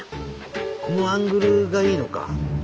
このアングルがいいのか！